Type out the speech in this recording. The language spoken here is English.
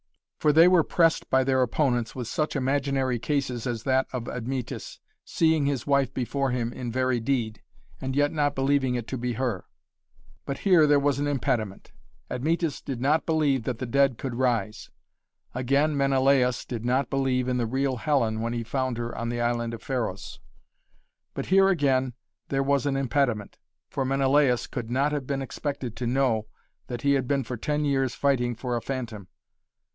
For they were pressed by their opponents with such imaginary cases as that of Admetus, seeing his wife before him in very deed, and yet not believing it to be her. But here there was an impediment. Admetus did not believe that the dead could rise. Again Menelaus did not believe in the real Helen when he found her on the island of Pharos. But here again there was an impediment. For Menelaus could not have been expected to know that he had been for ten years fighting for a phantom.